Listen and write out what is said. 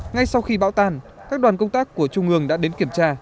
ngay sau khi bão tan các đoàn công tác của trung ương đã đến kiểm tra